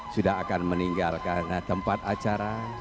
sudah akan meninggalkan tempat acara